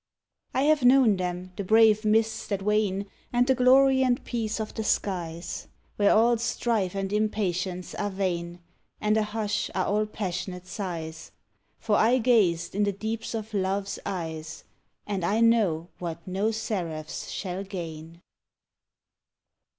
I have known them, the brave mists that wane And the glory and peace of the skies. Where all strife and impatience are vain And ahush are all passionate sighs, For I gazed in the deeps of Love's eyes, And I know what no seraphs shall gain!